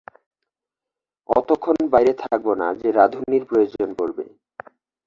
অতোক্ষণ বাইরে থাকবো না যে রাঁধুনির প্রয়োজন পড়বে।